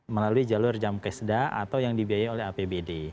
melalui jalur jam keseda atau yang dibiayai oleh apbd